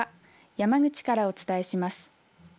山口からお伝えします。